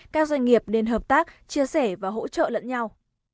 các doanh nghiệp nên hợp tác chia sẻ và hỗ trợ lẫn nhau